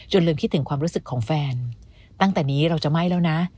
จนลืมคิดถึงความรู้สึกของแฟน